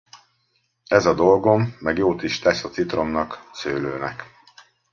Ez a dolgom, meg jót is tesz a citromnak, szőlőnek.